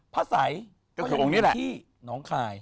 พระสัยก็ยังมีที่น้องข่าย